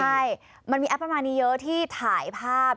ใช่มันมีแอปประมาณนี้เยอะที่ถ่ายภาพ